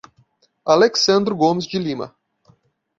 Alexsandro Gomes de Lima